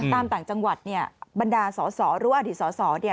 ตามต่างจังหวัดเนี่ยบรรดาสอสอหรืออดิษฐ์สอสอเนี่ย